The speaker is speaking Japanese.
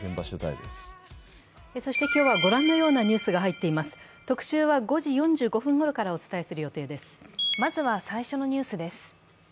特集は５時４５分ごろからお伝えする予定です。